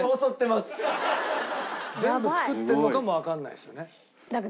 全部作ってるのかもわからないですよね。